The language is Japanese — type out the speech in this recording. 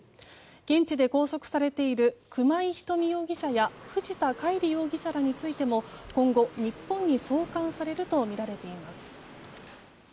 現地で拘束されている熊井ひとみ容疑者や藤田海里容疑者らについては今後、日本に送還されるとみられています。